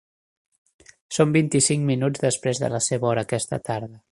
Són vint-i-cinc minuts després de la seva hora aquesta tarda.